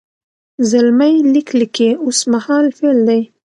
زلمی لیک لیکي اوس مهال فعل دی.